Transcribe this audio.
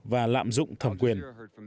và lạm dụng thẩm quyền